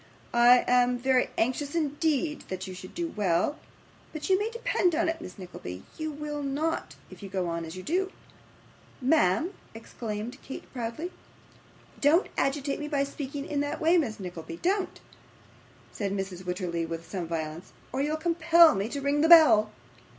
I am very anxious indeed that you should do well, but you may depend upon it, Miss Nickleby, you will not, if you go on as you do.' 'Ma'am!' exclaimed Kate, proudly. 'Don't agitate me by speaking in that way, Miss Nickleby, don't,' said Mrs. Wititterly, with some violence, 'or you'll compel me to ring the bell.